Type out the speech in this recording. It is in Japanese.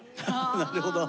なるほど。